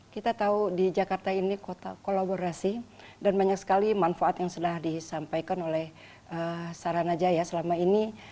kita tahu di jakarta ini kota kolaborasi dan banyak sekali manfaat yang sudah disampaikan oleh saranajaya selama ini